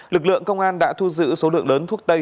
lực lượng công an đã thu giữ số lượng lớn thuốc tây